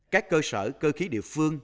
các cơ sở cơ khí địa phương